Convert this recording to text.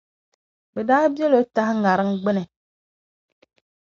bɛ daa biɛli o tahi ŋariŋ gbini.